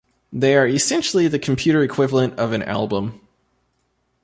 They are essentially the computer equivalent of an album.